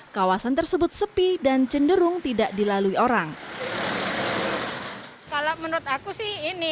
kawasan tersebut sepi dan cenderung tidak dilalui orang kalau menurut aku sih ini